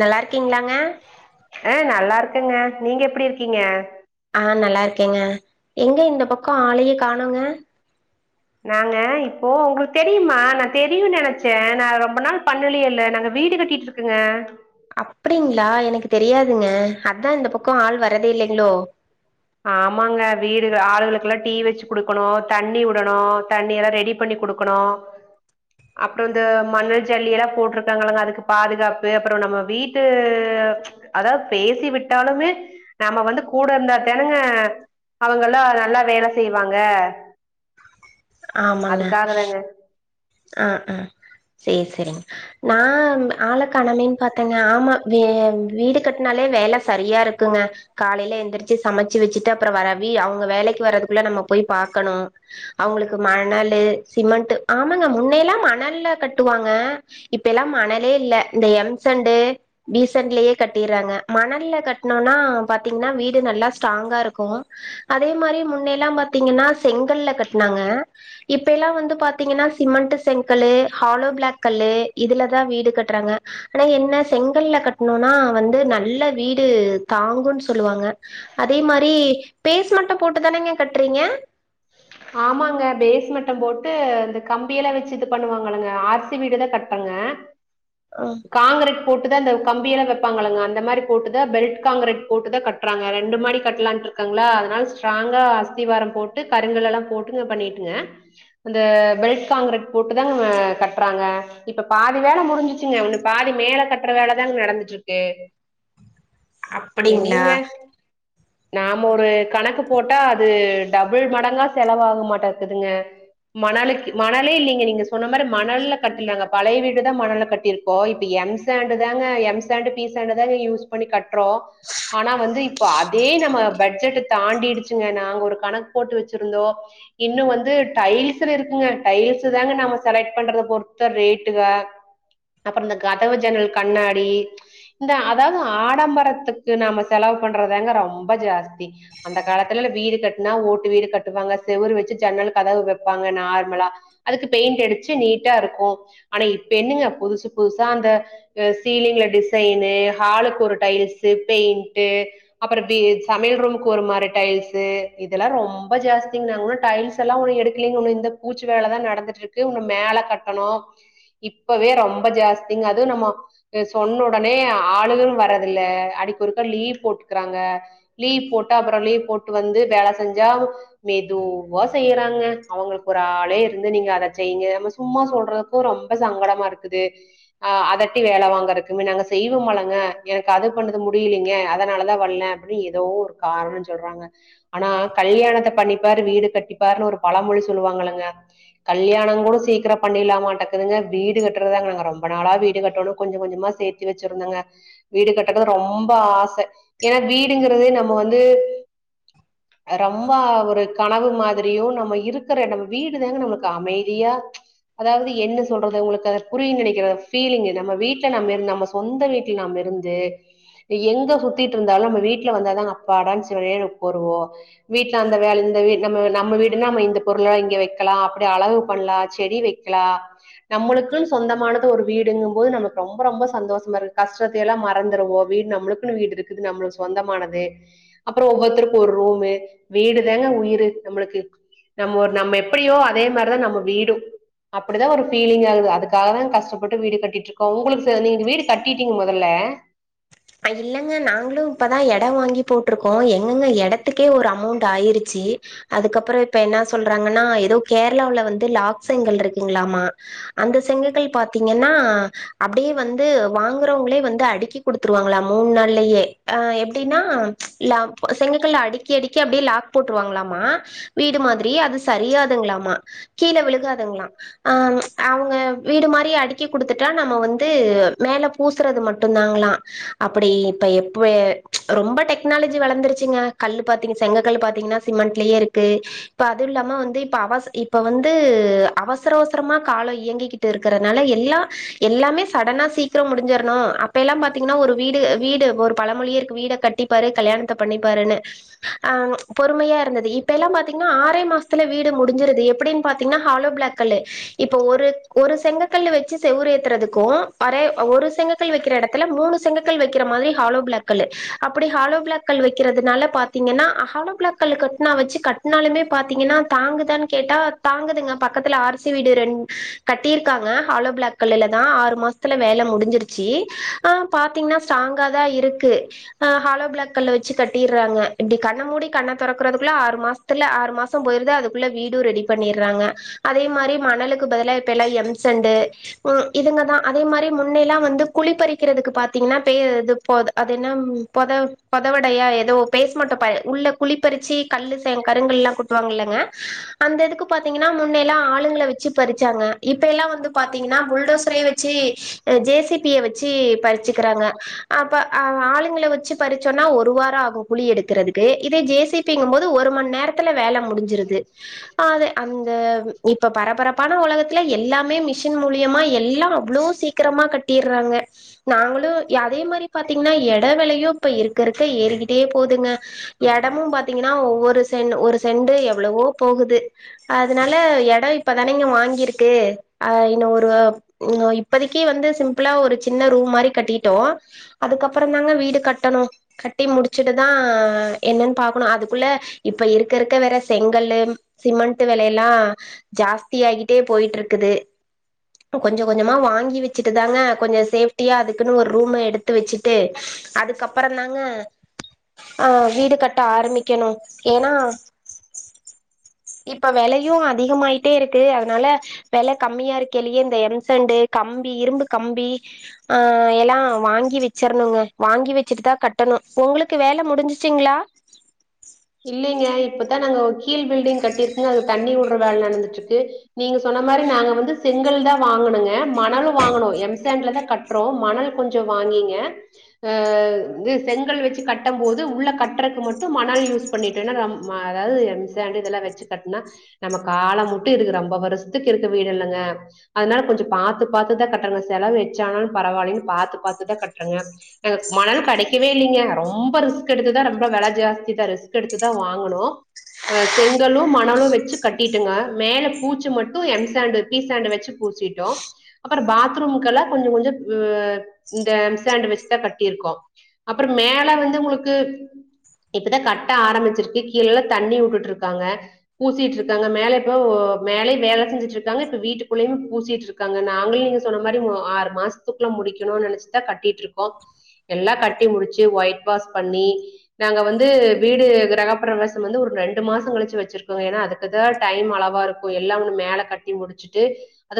நல்லா இருக்கீங்ளாங்க ஆ நல்லா இருக்கங்க நீங்க எப்டி இருக்கீங்க ஆ நல்லா இருக்கேங்க எங்க இந்த பக்கோ ஆளயே காணோங்க நாங்க இப்போ உங்ளுக் தெரியுமா நா தெரியு நெனச்சே நா ரொம்ப நாள் பண்ணலியல்ல நாங்க வீடு கட்டிட்ரு க்ங்க அப்டிங்ளா எனக்கு தெரியாதுங்க அதா இந்த பக்கோ ஆள் வரதே இல்லைங்ளோ ஆமாங்க வீடு ஆளுகளுக்கலா டீ வச்சு குடுக்கணூ தண்ணி வுடணூ தண்ணிலா ரெடி பண்ணி குடுக்கணூ [unintelligible] அப்றோ இந்த மண்ணு ஜல்லியெலா போட்ருக்காங்களங்க அதுக்கு பாதுகாப்பு அப்றோ நம்ம வீட்டு அதாது பேசி விட்டாலுமே நம்ம வந்து கூட இருந்தா தெனுங்க அவங்கல்லா நல்லா வேல செய்வாங்க ஆமங்க அதுக்காக தாங்க. ஆ ஆ சேரி சேரிங்க நா ஆள கானலயேன்னு பாத்தேங்க ஆமா வி வீடு கட்டுனாலே வேல சரியா இருக்குங்க காலைல எந்திருச்சு சமச்சு வச்சுட்டு அப்பற வரவி அவங்க வேலைக்கு வரதுக்குள்ள நம்ம போய் பாக்கணு அவ்ங்களுக்கு மணலு சிமெண்ட் ஆமாங்க முன்னலா மணல்ல கட்டுவாங்க இப்பபெல்லா மணலே இல்ல இந்த எம்சண்டு பீஸண்ட்லயே கட்டிறாங்க மணல்ல கட்ணுனா பாத்தீங்கனா வீடு நல்லா ஸ்ட்ராங்கா இருக்கு அதே மாரி முன்னல்லா பாத்தீங்கனா செங்கல்ல கட்னாங்க இப்பல்லா வந்து பாத்தீங்கனா சிமெண்ட் செங்கல்லு ஹாலோ பிளாக் கல்லு இதுலதா வீடு கட்றாங்க ஆனா என்ன செங்கல்ல கட்ணுனா வந்து நல்லா வீடு தாங்குன் சொல்வாங்க அதே மாரி பேஸ் மட்டு போட்டுதானங்க கட்றீங்க ஆமாங்க பேஸ் மட்ட போட்டு இந்த கம்பியெல்லா வச்சு இது பண்ணுவாங்கல்லங்க ஆர்சி வீடுதா கட்றங்க [inaudible] ஆ காங்க்ரெட் போட்டுதா இந்த கம்பியெல்ல வப்பாங்களங்க அந்த மாரி போட்டுதா பெல்ட் காங்க்ரெட் போட்டுதா கட் ட்ராங்க ரெண்டு மாடி கட்லானு இருக்கங்ளா அதனால ஸ்ட்ராங்கா அஸ்திவார போட்டு கருங்கல்லலா போட்டுங்க பண்ணிட்டுங்க அந்த பெல்ட் காங்க்ரெட் போட்டுதாங் கட்றாங்க இப்ப பாதி வேல முடுஞ்சிச்சுங்க உன்னுக் பாதி மேல கட்ற வேலதாங்க நடந்ட்டு இருக்கு அப்படிங்களா என்னெங்க நாம ஒரு கணக்கு போட்டா அது டபுள் மடங்கா செலவாக மாட்டக்குதுங்க மனலிக் மணலே இல்லைங்க நீங்க சொன்ன மாரி மணல்ல கட்லங்க பழைய வீடு தா மணல்ல கட்டிருக் இப்போ இப்ப எம்சாண்டுதாங்க எம்சாண்டு பீசாண்டுதாங்க யூஸ் பண்ணி கட்றோ ஆனா வந்து இப்ப அதே நம்ம பட்ஜெட் தாண்டிடுச்சுங்க நாங்க ஒரு கணக்கு போட்டு வச்சுருந்தோ இன்னு வந்து டைல்ஸ்ல இருக்குங்க டைல்ஸ் தாங்க நாம செலக்ட் பண்றத பொறுத்த ரேட்டுக அப்ற இந்த கதவு ஜன்னல் கண்ணாடி இந்த அதாவது ஆடம்பரத்துக்கு நாம செலவு பண்றதாங்க ரொம்ப ஜாஸ்தி அந்த காலத்துல வீடு கட்னா ஓட்டு வீடு கட் வாங்க செவுரு வச்சு ஜன்னல் கதவு வப்பாங்க நார்மலா அதுக்கு பெயிண்டு அடிச்சு நீட்டா இருக்கு ஆனா இப்ப என்னுங்க புதுசு புதுசா அந்த சீலிங்குல டிசைனு ஹாலுக்கு ஒரு டைல்ஸு பெயிண்ட்டு அப்பற பி சமையல் ரூமுக்கு ஒரு மாரி டைல்ஸூ இதுலா ரொம் ரொம்ப ஜாஸ்திங்க இ ன்னு டைல்ஸ்லா ஒன்னு எடுக்கலீங்க ஒன்ன இந்த பூச்சு வேல தா நடந்துட்டு இருக்கு இன்னு மேல கட்டணு இப்பவே ரொம்ப ஜாஸ்திங்க அதுவு நம்ம இத சொன்னுடனே ஆளுகளு வரதில்ல அடிக்கொ ருக்கா லீவூ போட்டுக்கிறாங்க லீவ் போட்டா அப்பற லீவ் போட்டு வந்து வேல செஞ்சா மெதுவ்வா செய்றாங்க அவங்களுக்கு ஒரு ஆளே இருந்து நீங்க அத செய்ங்க நம்ம சும்மா சொல்றது க்கு ரொம்ப சங்கடமா இருக்குது ஆ அதட்டி வேல வாங்கறக்கு நாங்க செய்வோ மழங்க எனக்கு அது பண்ணுது முடியலீங்க அதனாலதா வல்ல ஏதோ ஒரு காரண சொல்றாங்க ஆனா கல்யாணத்த பண்ணிப்பாரு வீடு கட்டிப்பாருன் ஒரு பழமொழி சொல்லுவாங்கலங்க கல்யண கூ ட சீக்கர பண்ணிலா மாட்டக்குதுங்க வீடு கட்டுறதாங்க நாங்க ரொம்ப நாளா வீடு கட்டணு கொஞ்சோ கொஞ்சமா சேத் தி வச்சிருந்தங்க வீடு கட்டுறது ரொம்ப ஆசை ஏன்னா வீடுங்கறதே நம்ம வந்து ரொம்ப ஆவு ஒரு கனவு மாதிரியு நம்ம இருக்கிற நம்ம வீடு தாங்க நமக்கு அமைதியா அதாவது என்ன சொல்றது உங்களுக்கு அத புரியுன் நெனைக்கிற பீலிங் நம்ம வீட்ல நம்ம நம்ம சொந்த வீட்ல நாம இருந்து எங்க சுத்திட்டு இருந்தாலு நம்ம வீட்ல வந்தாதா அப்பாடான் சிவனேன்னு உக்காருவோ வீட்ல அந்த வேல இருந் இந்த நம்ம நம்ம வீடுனா நம்ம இந்த பொருளல்லா இங்க வைக்கலா அப்டி அழகு பண்லா செடி வைக்கலா நம்மளுக்குன் சொந்தமானது ஒரு வீடுங்கும் போது நமக்கு ரொம்ப ரொம்ப சந்தோஷமா இருக்கு கஷ்ட த்த எல்லா மறந்துடுவோ வீடு நம்மளுக்குன்னு வீடு இருக்குது நம்ளுக்கு சொந்தமானது அப்புற ஒவ்வொருத்தருக்கும் ஒரு ரூமு வீடுதாங்க உயிரு நம்மளுக்கு நம்ம ஒரு நம்ம எப்டியோ அதே மாரிதா நம்ம வீடூ அப்டிதா ஒரு ஃபீலிங் ஆகுது அதுக்காக தா கஷ்டப்பட்டு வீடு கட்டிட் இருக் உங்களுக்கு நீங்க வீடு கட்டிட்டீங்க மொதல்ல இல்லங்க நாங்களு இப்பதா எட வாங்கி போட்ருக்கோ எங்கங்க எடத்துக்கே ஒரு அமௌண்ட் ஆய்ருச்சு அதுக்கப்புற இப்ப என்ன சொல்றாங்கன்னா எதோ கேரளாவுல வந்து லாக்செங்கல் இருக்குங்ளாமா அந்த செங்ககல் பாத்தீங்கன்னா அப்டியே வந்து வாங்குறவங்களே வந்து அடுக்கி குடுத் த்துருவாங்களா மூண் நாள்லயே அ எப்டின்னா ச் லா செங்ககல்ல அடிக்கி அடிக்கி அப்டியே லா க் போட்ருவாங்களாமா வீடு மாதிரி அது சரியாதுங்களாமா கீழ விழுகாதுங்களா ஆ அவங்க வீடு மாரி அடுக்கி குடுத்துட்டா நம்ம வந்து மேல பூசுறது மட்டு தாங்களா அப்டி இப்ப எப்ப ரொம்ப டெக்னாலஜி வளந்துருச்சுங்க கல்லு பாத்தீங்கனா செங்க கல் பாத்தீங்கன்னா சிமெண்ட்லயே இருக்கு இப்ப அது இல்லாம வந்து இப்ப அவச இப்ப வந்து அவசர அவசரமா கால இயங்கிக்கிட்டு இருக்கிறனால எல்லா எல்லாமே சடனா சீக்கிர முடிஞ்சரணு அப்ப எல்லா பாத் பாத்தீங்கன்னா ஒரு வீடு வீடு ஒரு பழமொழியே இருக்கு வீட கட்டிப்பாரு கல்யாணத்த பண்ணிப்பாருன் ஆ பொறுமையா இருந்தது இப்ப எல்லா பாத்தீங்கன்னா ஆறே மாசத்துல வீடு முடிஞ்சிருது எப்படின் பா த்திங்கன்னா ஹாலோ ப்ளாக் கல்லு இப்ப ஒரு ஒரு செங்கக்கல்ல வச்சு செவுறு ஏத்துறதுக்கு ஒர ஒரு செங்கக்கல் வைக்கிற எட த்துல மூணு செங்கக்கல் வைக்கிற மாதிரி ஹாலோ பிளாக் கல்லு அப்படி ஹாலோ பிளாக்கல் வைக்கிறதுனால பாத் தீங்கன்னா ஹாலோபிளாக்கல்ல கட்னா வச்சு கட்னாலுமே பாத்தீங்கன்னா தாங்குதான்னு கேட்டா தாங்குதுங்க பக்கத்துல ஆர் சி வீடு ரெண் கட்டியிருக்காங்க ஹாலோ பிளாக்கல்லுல தா ஆறு மாச த்துல வேல முடிஞ்சிருச்சி ஆ பாத்தீங்கன்னா ஸ்ட்ராங்க தா இருக்கு ஆ ஹாலோ பிளாக் கல்ல வச்சு கட்டிறாங்க இப்டி கண்ண மூடி கண்ண தொறக்கறதுக்குள்ள ஆறு மாச த்துல ஆறு மாச போயிருது அதுக்குள்ள வீடும் ரெடி பண்ணிறாங்க அதே மாரி மணலுக்கு பதிலா இப்ப எல்லா எம்சண்டு இதுங்கதா அதே மாரி முன்னேல்லா வந்து குழிப்பறிக்கிறதுக்கு பாத்தீங்கன்னா பேது போ அது என்ன பொத பொதவடையா எதோ பேஸ் மட்ட ப உள்ள குழிப்பறிச்சி கல்லு செங் கருங்கல்லா கொ ட்டுவாங்க இல்லங்க அந்த இதுக்கு பாத்தீங்கன்னா முன்னே எல்லா ஆளுங்கள வச்சு பறிச்சாங்க இப்ப எல்லா வந்து பாத்தீங்கன்னா புல்டோசர வச்சு ஜே சி பி ய வச் சி பறிச்சுக்கிறாங்க அப்ப ஆளுங்கள வச்சு பறிச்சோனா ஒரு வார ஆகு குழி எடுக்கிறது இதே ஜே சி பி ங்கும் போது ஒரு மண் நேரத்துல வேல முடிஞ்சிருது ஆதே அந்த இப்ப பரபரப் பண உலகத்துல எல்லாமே மிஷின் மூலியமா எல்லா அவ்ளோ சீக்கிரமா கட்டிறாங்க நாங்களு அதே மாரி பாத்தீங்கன்னா எட வெலயு இப்ப இருக்க இருக்க ஏறிக்கிட்டே போதுங்க எடமும் பாத்தீங்கன்னா ஒவ்வொரு சென் ஒரு செண்டு எவ்வளவோ போகுது அதுனால எட இப்பதானேங்க வாங்கிருக்கு அ இன்ன ஒரு இப்பதைக்கி வந்து சிம்பிளா ஒரு சின்ன ரூம் மாரி கட்டிட்டோ அதுக்கப்புற தாங்க வீடு கட்டணு கட்டி முடிச்சுட்டுதா என்னன்னு பாக்கணு அதுக்குள்ள இப்ப இருக்க இருக்க வேற செங்கல்லு சிமெண்ட் வெலையெல்லா ஜாஸ்தி ஆகிட்டே போயிட்ருக்குது இப்போ கொஞ்ச கொஞ்சமா வாங்கி வெச்சுட்டுதாங்க கொஞ்ச சேஃப்டியா அதுக்குனு ஒரு ரூம் எடுத்து வெச்சுட்டு அதுக்கப்புறந்தாங்க ஆ வீடு கட்ட ஆரம்பிக்கணு ஏனா இப்ப வெலையு அதிகமாய்ட்டேருக்கு அதனால வெல கம்மியா இருக்கலியே இந்த எம்சேண்டு கம்பி இரும்பு கம்பி ஆ எல்லா வாங்கி வெச்சரணுங்க வாங்கி வெச்சுட்டு தா கட்டணு உங்களுக் கு வேல முடிஞ்சிச்சிங்ளா இல்லீங்க இப்பதா நாங்க கீழ் பில்டிங் கட்டியிருக்குங்க அது தண்ணி வுடுற வேல நடந்துட்ருக்கு நீங்க சொன்ன மாரி நாங்க வந்து செங்கல்தா வாங்கனுங்க மணலு வாங்கணு எம்சேண்டலதா க ட்றோ மணல் கொஞ்சோ வாங்கிங்க அ இது செங்கல் வெச்சு கட்டம் போது உள்ள கட்றக்கு மட்டு மணல் யூஸ் பண்ணிட்டோனா அம் ம அதாவது எம்சேண்டு இதெல்லா வெச்சு கட்னா நம்ம கால முட்டு இருக்கு ரொம்ப வருஷத்துக் இருக்கு வீடு இல்லங்க அதனால கொஞ்ச பாத்து பாத்துதா கட்டறங் செலவு வெச்ச ஆானாலு பரவாலினு பாத்து பாத்துதா கட்றங்க எங் மணல் கடைக்கவே இல்லீங்க ரொம்ப ரிஸ்க் எடுத்துதா ரொம்ப வெல ஜாஸ்தி தா ரிஸ் க்கெடுத்துதா வாங்கணு அ செங்கலு மணலு வெச்சு கட்டிட்டுங்க மேல பூச்சி மட்டு எம்சேண்டு பி சேண்டு வெச்சு பூசிட்டோ அப்பற பாத்ரூம்க்கெல்லா கொஞ்ச கொஞ்ச ஆ இந்த எம்சேண்டு வெச்சுதா கட்டியிருக்கோ அப்பறம் மேல வந்து உங்களுக்கு இப்பதா கட் ட ஆரம்பிச்சிருக்கு கீழல தண்ணி வுட்டுட்ருக்காங்க பூசிட்ருக்காங்க மேல இப்போ மேலயூ வேல செஞ்சுட்ருக்காங்க இப்போ வீட்டுக்குள்ளேயு பூசிட்ருக் காங்க நாங்களு நீங்க சொன்ன மாரி மு ஆறு மாஸ்த்துக்குல்ல முடிக்கணு நெனச்சுதா கட்டிட்ருக்கோ எல்லா கட்டி முடிச்சு ஒயிட் வாஷ் பண்ணி நாங்க வந்து வீடு கிரகப் பிரவேசம் வந்து ஒரு ரெண்டு மாசோ கழிச்சு வெச்சிருக்கோங்க ஏனா அதுக்குதா டைம் அளவா இருக் கு எல்லா ஒண்ணு மேல கட்டி முடிச்சுட்டு அது